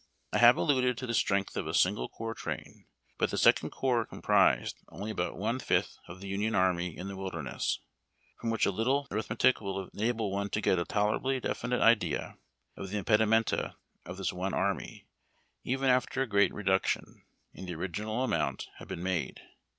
I have alluded to the strength of a single corps train. But the Second Corps comprised only about one fifth of the Union army in the Wilderness, from which a little arith metic will enable one to get a tolerably definite idea of the impedimenta of this one army, even after a great reduction in the original amount had been made.